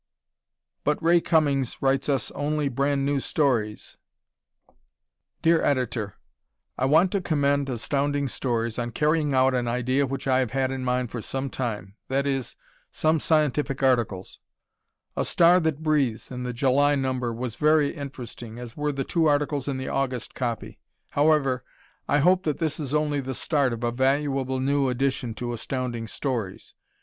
But Ray Cummings Writes Us Only Brand New Stories! Dear Editor: I want to commend Astounding Stories on carrying out an idea which I have had in mind for some time; that is, some scientific articles. "A Star That Breathes," in the July number, was very interesting, as were the two articles in the August copy. However, I hope that this is only the start of a valuable new addition to Astounding Stories.